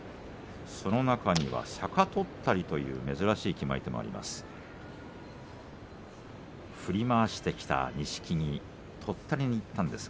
その中には、逆とったりという珍しい決まり手もあります。